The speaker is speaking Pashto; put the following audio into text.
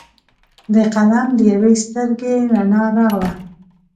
د قلم د یوي سترګې رڼا راغله